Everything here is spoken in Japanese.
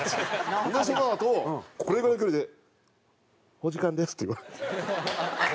そのあと、これぐらいの距離で「お時間です」って言われる。